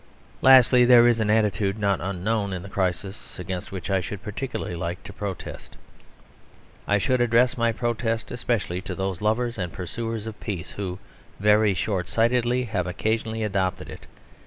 Lastly, there is an attitude not unknown in the crisis against which I should particularly like to protest. I should address my protest especially to those lovers and pursuers of Peace who, very short sightedly, have occasionally adopted it.